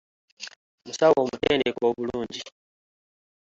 Musawo omutendeke obulungi.